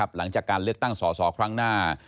หลังจากการเลือกตั้งสอสอครั้งหน้า